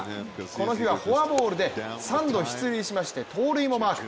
この日はフォアボールで３度出塁しまして、盗塁もマーク。